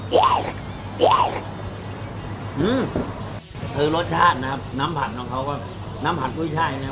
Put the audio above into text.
จ้ะอืมคือรสชาตินะครับน้ำผัดของเขาก็น้ำผัดกุ้ยช่ายเนี้ย